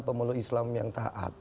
pemeluk islam yang taat